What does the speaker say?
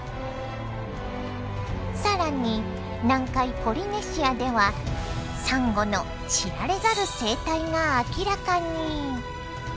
更に南海ポリネシアではサンゴの知られざる生態が明らかに。